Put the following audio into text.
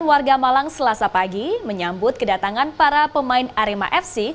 warga malang selasa pagi menyambut kedatangan para pemain arema fc